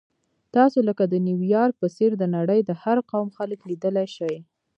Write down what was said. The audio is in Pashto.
تاسو لکه د نیویارک په څېر د نړۍ د هر قوم خلک لیدلی شئ.